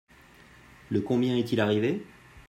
Le combien est-il arrivé ?